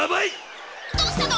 「どうしたの？」。